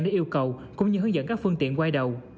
để yêu cầu cũng như hướng dẫn các phương tiện quay đầu